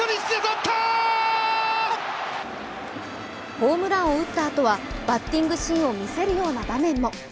ホームランを打ったあとはバッティングシーンを見せるような場面も。